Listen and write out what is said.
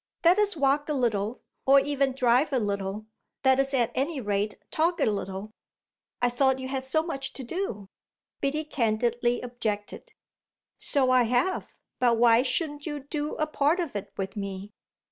"Let us walk a little or even drive a little. Let us at any rate talk a little." "I thought you had so much to do," Biddy candidly objected. "So I have, but why shouldn't you do a part of it with me?